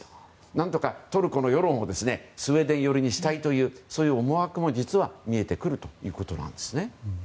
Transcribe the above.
何とかトルコの世論をスウェーデン寄りにしたいというそういう思惑も実は見えてくるということなんですね。